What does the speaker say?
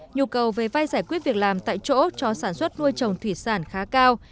nhu cầu về vay giải quyết việc làm tại chỗ cho sản xuất nuôi trồng thủy sản khá cao